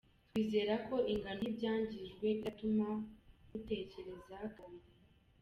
Twizera ko ingano y’ibyangijwe iratuma butekereza kabiri.